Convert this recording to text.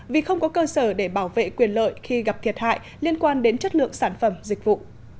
vì không có cơ sở để bảo vệ quyền lợi khi gặp thiệt hại liên quan đến chất lượng sản phẩm dịch vụ